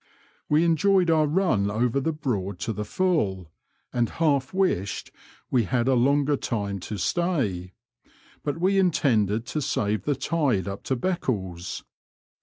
We enjoyed our run over the Broad to the full, and half wished we had a longer time to stay, but we intended to save the tide up to Beccles.